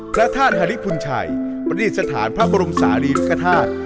พระทาตรหลีคพุนชัยประดิษฐานพระบรมศาลีลุกฐาตร